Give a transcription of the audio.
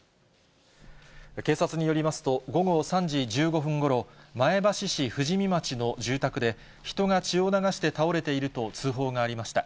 警察によりますと、午後３時１５分ごろ、前橋市富士見町の住宅で、人が血を流して倒れていると通報がありました。